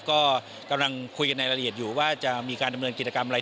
ก็กำลังคุยกันในรายละเอียดอยู่ว่าจะมีการดำเนินกิจกรรมอะไร